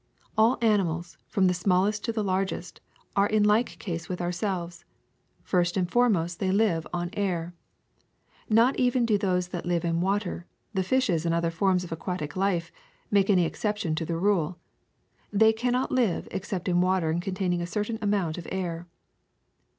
^'All animals, from the smallest to the largest, are in like case with ourselves: first and foremost they live on air. Not even do those that live in water — the fishes and other forms of aquatic life — make any exception to the rule : they cannot live except in water containing a certain amount of air.